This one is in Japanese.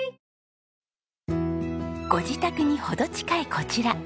ご自宅に程近いこちら。